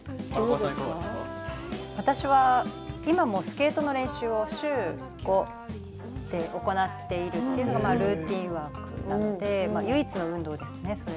私は今もスケートの練習を週５で行っているというのがルーティンワークです。